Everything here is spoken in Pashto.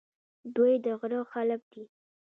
دوی د غره خلک دي.